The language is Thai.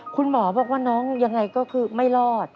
คุณหมอบอกว่าน้องยังไงก็คือไม่รอด